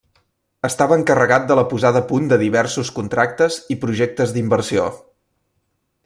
Estava encarregat de la posada a punt de diversos contractes i projectes d'inversió.